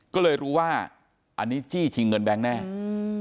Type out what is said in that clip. ก็เลยรู้ว่าอันนี้จี้ชิงเงินแบงค์แน่อืม